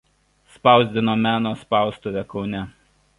Spausdino Meno spaustuvė Kaune.